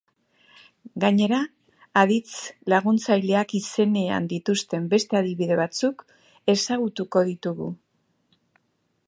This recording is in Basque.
Gainera, aditz laguntzaileak izenean dituzten beste adibide batzuk ezagutuko ditugu.